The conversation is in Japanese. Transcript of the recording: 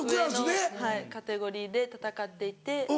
上のカテゴリーで戦っていて。